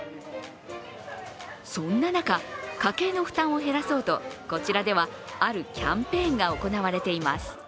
そんな中、家計の負担を減らそうとこちらではあるキャンペーンが行われています。